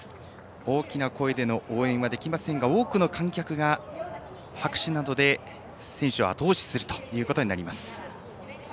大きな声での応援はできませんが多くの観客が拍手などで選手をあと押しすることになります。